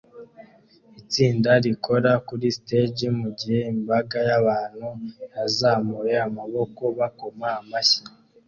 Itsinda rikora kuri stage mugihe imbaga y'abantu yazamuye amaboko bakoma amashyi